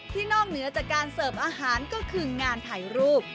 นอกเหนือจากการเสิร์ฟอาหารก็คืองานถ่ายรูป